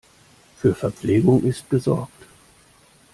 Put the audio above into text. Für Verpflegung ist gesorgt.